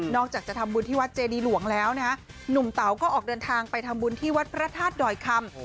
อกจากจะทำบุญที่วัดเจดีหลวงแล้วนะฮะหนุ่มเต๋าก็ออกเดินทางไปทำบุญที่วัดพระธาตุดอยคำ